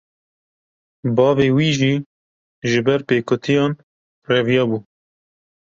Bavê wî jî, ji ber pêkutiyan reviya bû